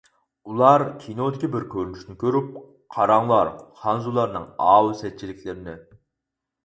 ئۇلار كىنودىكى بىر كۆرۈنۈشنى كۆرۈپ: قاراڭلار، خەنزۇلارنىڭ ئاۋۇ سەتچىلىكلىرىنى!